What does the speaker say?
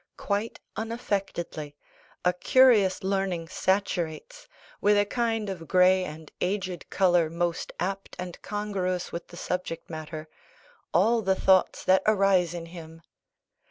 Quite unaffectedly, a curious learning saturates, with a kind of grey and aged colour most apt and congruous with the subject matter, all the thoughts that arise in him.